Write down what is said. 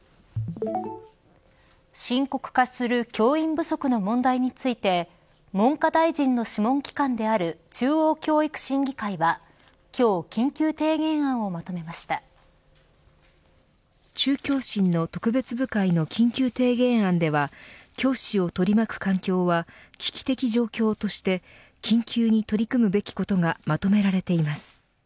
深刻化する教員不足の問題について文科大臣の諮問機関である中央教育審議会は今日、緊急提言案を中教審の特別部会の緊急提言案では教師を取り巻く環境は危機的状況として緊急に取り組むべきことがまとめられています。